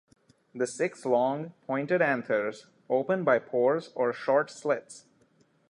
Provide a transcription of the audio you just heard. The six long, pointed anthers open by pores or short slits.